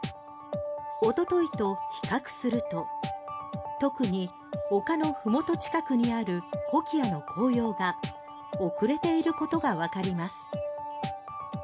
一昨日と比較すると特に丘のふもと近くにあるコキアの紅葉が遅れていることがわかります。